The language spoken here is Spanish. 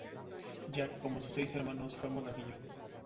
Jack, como sus seis hermanos, fue monaguillo.